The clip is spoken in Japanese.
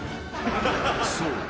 ［そう。